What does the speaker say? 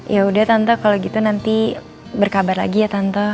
yaudah tante kalau gitu nanti berkabar lagi ya tante